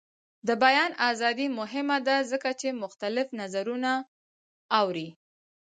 د بیان ازادي مهمه ده ځکه چې مختلف نظرونه اوري.